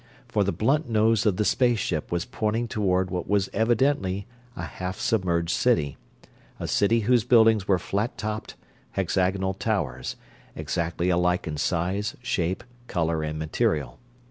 For the blunt nose of the space ship was pointing toward what was evidently a half submerged city, a city whose buildings were flat topped, hexagonal towers, exactly alike in size, shape, color, and material.